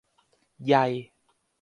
ไย